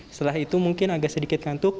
setelah itu mungkin agak sedikit ngantuk